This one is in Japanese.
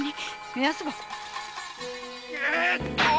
目安箱？